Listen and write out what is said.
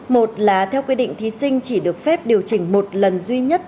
một là theo quy định thí sinh chỉ được phép điều chỉnh một lần duy nhất